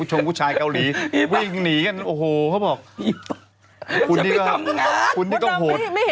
ฉันกำลังจะทำ